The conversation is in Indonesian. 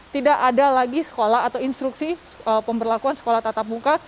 tidak ada lagi sekolah atau instruksi pemberlakuan sekolah tatap muka